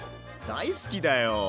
大好きだよ。